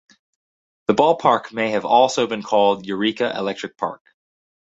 The ballpark may have also been called Eureka Electric Park.